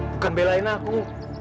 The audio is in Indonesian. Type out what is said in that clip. bukan belain aku